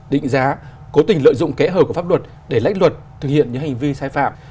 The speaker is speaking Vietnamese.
định giá cố tình lợi dụng kẽ hở của pháp luật để lách luật thực hiện những hành vi sai phạm